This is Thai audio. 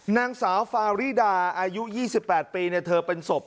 นางสาวฟาริดาอายุ๒๘ปีเธอเป็นศพ